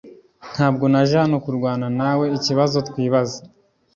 Ntabwo naje hano kurwana nawe ikibazo twibaza